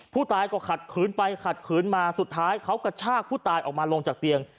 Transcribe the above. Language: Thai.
ผู้ตายก็ขัดขืนไปขัดขืนมาสุดท้ายเขากระชากผู้ตายออกมาลงจากเตียง